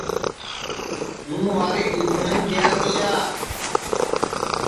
ہُوں واری ڈبھینٚم گیا تِیا